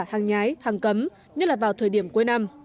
hàng nhái hàng cấm nhất là vào thời điểm cuối năm